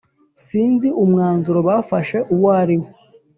sinzi umwanzuro bafashe uwariwo